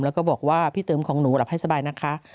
แล้วก็บอกว่าพี่เติมของหนูหลับให้สบายนะคะ